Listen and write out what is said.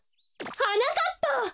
はなかっぱ！